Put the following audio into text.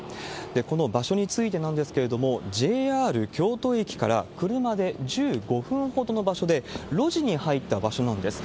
この場所についてなんですけれども、ＪＲ京都駅から車で１５分ほどの場所で、路地に入った場所なんです。